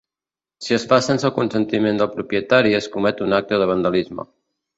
Si es fa sense el consentiment del propietari, es comet un acte de vandalisme.